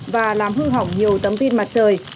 và làm hư hỏng nhiều tấm pin mặt trời